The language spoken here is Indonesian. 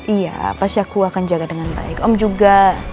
iya pasti aku akan jaga dengan baik om juga